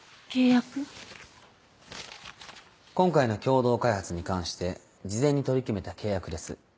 今回の共同開発に関して事前に取り決めた契約です。